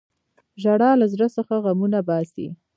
• ژړا له زړه څخه غمونه باسي.